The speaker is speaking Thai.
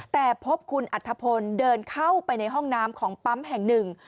แต่พบคุณอัธพลเดินเข้าไปในห้องน้ำของปั๊มแห่งหนึ่ง